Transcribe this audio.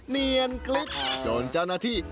เนียนกริ๊บจนเจ้าหน้าที่